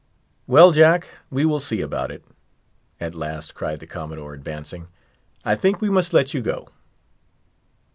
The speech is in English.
"Well, Jack, we will see about it," at last cried the Commodore, advancing. "I think we must let you go."